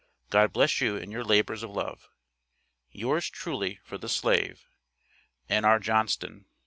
God bless you in your labors of love. Yours, truly, for the slave, N.R. JOHNSTON.